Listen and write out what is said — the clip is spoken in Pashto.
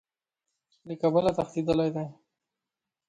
له کابله تښتېدلی دی.